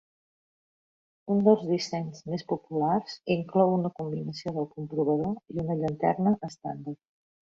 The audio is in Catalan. Un dels dissenys més populars inclou una combinació del comprovador i una llanterna estàndard.